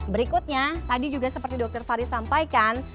berikutnya tadi juga seperti dokter fari sampaikan